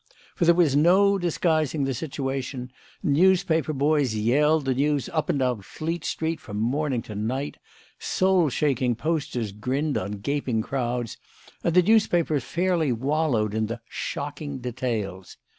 For there was no disguising the situation. Newspaper boys yelled the news up and down Fleet Street from morning to night; soul shaking posters grinned on gaping crowds; and the newspapers fairly wallowed in the "Shocking details."